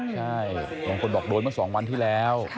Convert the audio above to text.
ใช่บางคนบอกโดนเมื่อ๒วันที่แล้ว